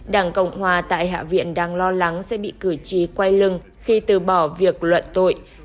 đảng cộng hòa tại hạ viện đang lo lắng sẽ bị cử tri quay lưng khi từ bỏ việc luận tội